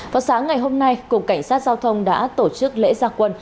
vào sáng ngày hôm nay cục cảnh sát giao thông đã tổ chức lễ gia quân